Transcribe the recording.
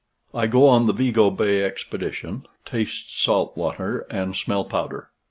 I GO ON THE VIGO BAY EXPEDITION, TASTE SALT WATER AND SMELL POWDER.